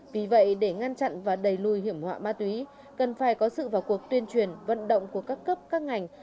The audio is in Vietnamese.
vì vậy để ngăn chặn và đẩy lùi hiểm họa ma túy cần phải có sự vào cuộc tuyên truyền vận động của các cấp các ngành